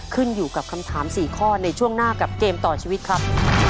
ขึ้นอยู่กับคำถาม๔ข้อในช่วงหน้ากับเกมต่อชีวิตครับ